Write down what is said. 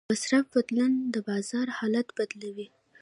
د مصرف بدلون د بازار حالت بدلوي.